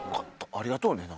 ありがとうね。